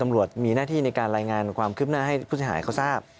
ตำรวจมีหน้าที่ในการรายงานความคืบหน้าให้ผู้เสียหายเขาทราบ